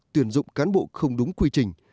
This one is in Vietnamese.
tuyển dụng cán bộ không đúng quy trình